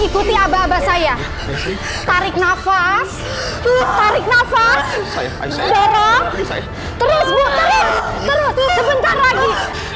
coba saya tarik nafas tarik nafas dorong terus bu terus sebentar lagi